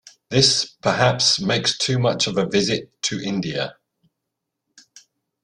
This perhaps makes too much of a visit to India.